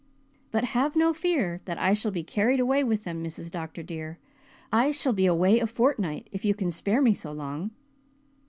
But have no fear that I shall be carried away with them, Mrs. Dr. dear. I shall be away a fortnight if you can spare me so long."